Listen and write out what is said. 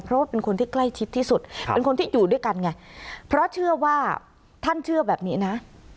เพราะว่าเป็นคนที่ใกล้ชิดที่สุดเป็นคนที่อยู่ด้วยกันไงเพราะเชื่อว่าท่านเชื่อแบบนี้นะ